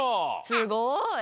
すごい！